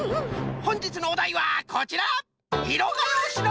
ほんじつのおだいはこちら！